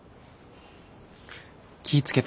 気ぃ付けて。